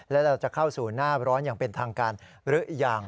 และเราจะเข้าสู่หน้าร้อนอย่างเป็นทางการหรือยัง